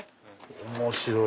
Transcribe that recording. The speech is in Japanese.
面白い！